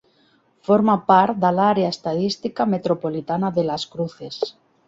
Forma part de l'Àrea estadística metropolitana de Las Cruces.